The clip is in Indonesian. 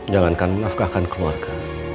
jangan kan menafkahkan keluarga